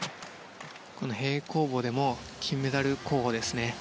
この平行棒でも金メダル候補ですね。